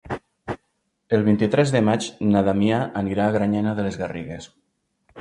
El vint-i-tres de maig na Damià anirà a Granyena de les Garrigues.